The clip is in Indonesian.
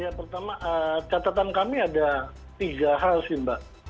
ya pertama catatan kami ada tiga hal sih mbak